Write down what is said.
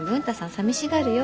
さみしがるよ。